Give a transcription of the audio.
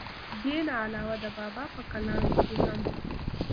دې نه علاوه د بابا پۀ کلام کښې هم